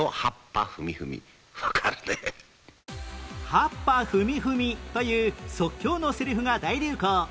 「はっぱふみふみ」という即興のセリフが大流行